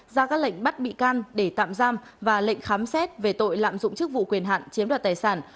ra các lệnh bắt bị can để tạm giam và lệnh khám xét về tội lạm dụng chức vụ quyền hạn chiếm đoạt tài sản